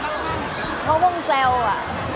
มันเป็นเรื่องน่ารักที่เวลาเจอกันเราต้องแซวอะไรอย่างเงี้ย